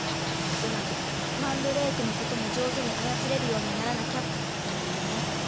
つまりマンドレークのことも上手に操れるようにならなきゃってことね。